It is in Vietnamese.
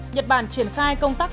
nhật bản triển khai công tác